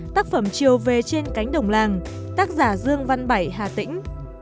tác phẩm chiều về trên cánh đồng làng tác giả dương văn bảy hà tĩnh